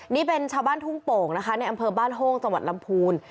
นี่เป็นชาวบ้านทุ่งโป่งนะคะในอำเภอบ้านโฮ้งจังหวัดลำพูน